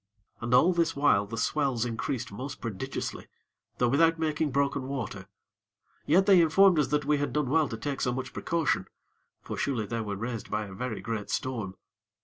And all this while the swells increased most prodigiously; though without making broken water: yet they informed us that we had done well to take so much precaution; for surely they were raised by a very great storm.